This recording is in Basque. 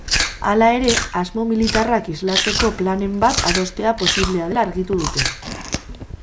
Hala ere, asmo militarrak islatzeko planen bat adostea posiblea dela argitu dute.